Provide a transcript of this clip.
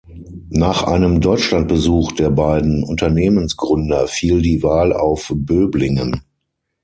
Nach einem Deutschlandbesuch der beiden Unternehmensgründer fiel die Wahl auf Böblingen.